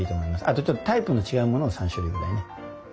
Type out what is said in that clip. あとちょっとタイプの違うものを３種類ぐらいね。